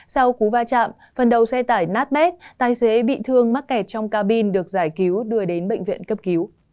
sau cú va chạm phần đầu xe tải nát bét tài xế bị thương mắc kẹt trong cabin được giải cứu đưa đến bệnh viện cấp cứu